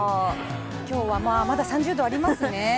今日はまだ３０度ありますね。